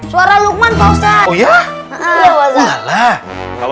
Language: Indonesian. suara lukman pausat